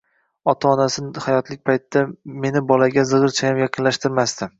Ota-onasi hayotlik paytida meni bolaga zigʻirchayam yaqinlashtirmasdi